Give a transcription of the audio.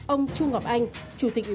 ông trung ngọc anh chủ tịch ủy ban chủ tịch